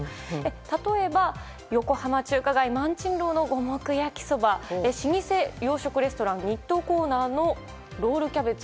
例えば、横浜中華街・萬珍樓の五目焼きそば老舗洋食レストラン日東コーナーのロールキャベツ。